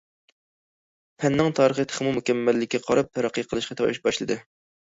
پەننىڭ تارىخى تېخىمۇ مۇكەممەللىككە قاراپ تەرەققىي قىلىشقا باشلىدى.